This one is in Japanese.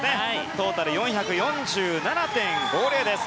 トータル４４７．５０です。